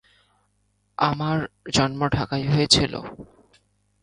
আমার জন্ম ঢাকায় হয়েছিল।